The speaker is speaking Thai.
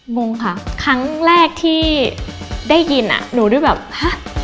งงค่ะครั้งแรกที่ได้ยินอ่ะหนูได้แบบฮะ